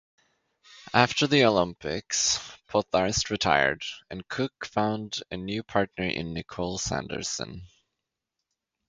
After the Olympics, Pottharst retired, and Cook found a new partner in Nicole Sanderson.